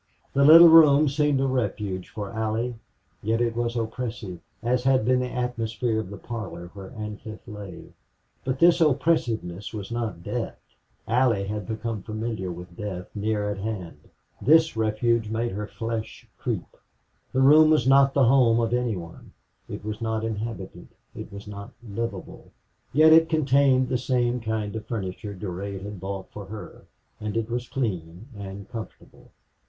The little room seemed a refuge for Allie, yet it was oppressive, as had been the atmosphere of the parlor where Ancliffe lay. But this oppressiveness was not death. Allie had become familiar with death near at hand. This refuge made her flesh creep. The room was not the home of any one it was not inhabited, it was not livable. Yet it contained the same kind of furniture Durade had bought for her and it was clean and comfortable.